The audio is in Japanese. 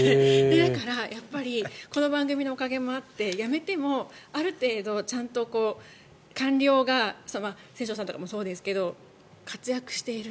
だからこの番組のおかげもあって辞めてもある程度ちゃんと、官僚が千正さんとかもそうですが活躍している。